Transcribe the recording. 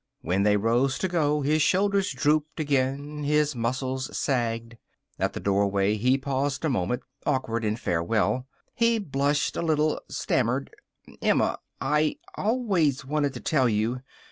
When they rose to go, his shoulders drooped again, his muscles sagged. At the doorway he paused a moment, awkward in farewell. He blushed a little, stammered. "Emma I always wanted to tell you.